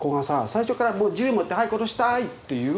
最初から銃持ってはい殺したいって言う？